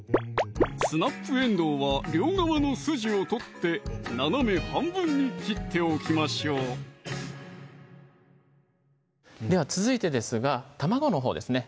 スナップえんどうは両側の筋を取って斜め半分に切っておきましょうでは続いてですが卵のほうですね